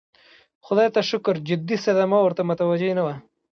خدای ته شکر جدي صدمه ورته متوجه نه وه.